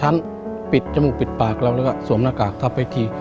เราก็ใส่แมท๒ชั้นปิดจมูกปิดปากแล้วเราก็สวมหน้ากากทับไปที